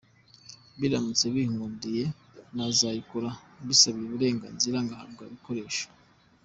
Biramutse binkundiye nazayikora mbisabiye uburenganzira ngahabwa n’ibikoresho.